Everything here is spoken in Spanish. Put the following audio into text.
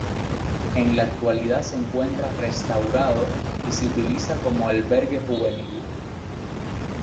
En la actualidad se encuentra restaurado y se utiliza como albergue juvenil.